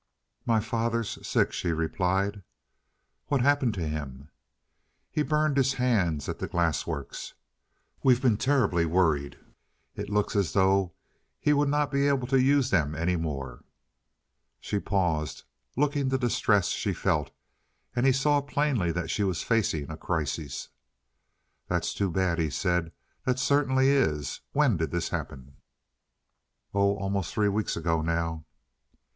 "My father's sick," she replied. "What's happened to him?" "He burned his hands at the glass works. We've been terribly worried. It looks as though he would not be able to use them any more." She paused, looking the distress she felt, and he saw plainly that she was facing a crisis. "That's too bad," he said. "That certainly is. When did this happen?" "Oh, almost three weeks ago now."